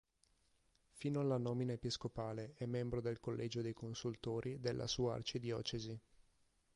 Fino alla nomina episcopale è membro del collegio dei consultori della sua arcidiocesi.